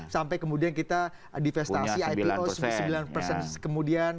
sampai kemudian kita divestasi ipo sembilan persen kemudian